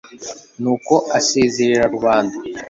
nuko asezerera rubanda